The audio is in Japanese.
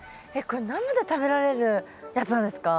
これ生で食べられるやつなんですか？